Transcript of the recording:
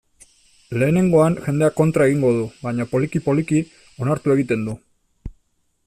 Lehenengoan, jendeak kontra egingo du, baina, poliki-poliki, onartu egiten du.